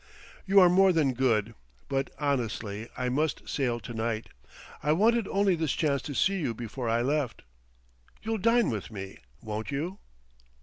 "You are more than good; but honestly, I must sail to night. I wanted only this chance to see you before I left. You'll dine with me, won't you?"